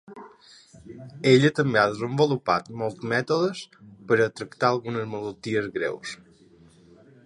Ella també ha desenvolupat molts mètodes per a tractar algunes malalties greus.